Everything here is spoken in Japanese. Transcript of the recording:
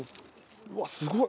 うわっすごい！